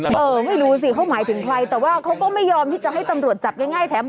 เออไม่รู้สิเขาหมายถึงใครแต่ว่าเขาก็ไม่ยอมที่จะให้ตำรวจจับง่ายแถม